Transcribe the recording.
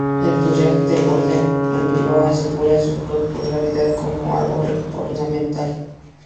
El follaje de borde ondulado asegura su popularidad como árbol ornamental.